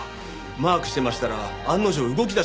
マークしてましたら案の定動きだしました。